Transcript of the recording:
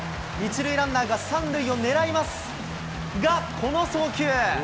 １塁ランナーが３塁を狙います、が、この送球。